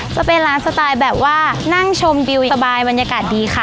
จะเป็นร้านสไตล์แบบว่านั่งชมวิวสบายบรรยากาศดีค่ะ